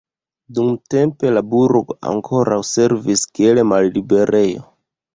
Dumtempe la burgo ankaŭ servis kiel malliberejo.